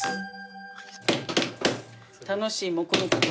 楽しい黙々と。